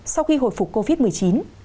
sau khi hồi phục covid một mươi chín